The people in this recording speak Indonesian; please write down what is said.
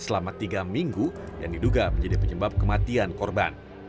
selama tiga minggu yang diduga menjadi penyebab kematian korban